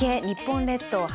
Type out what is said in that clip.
日本列島